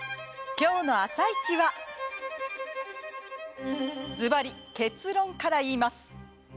今日の「あさイチ」はずばり結論から言います。